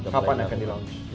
kapan akan di launch